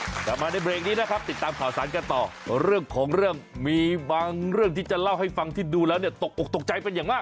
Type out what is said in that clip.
กลับมาในเบรกนี้นะครับติดตามข่าวสารกันต่อเรื่องของเรื่องมีบางเรื่องที่จะเล่าให้ฟังที่ดูแล้วเนี่ยตกออกตกใจเป็นอย่างมาก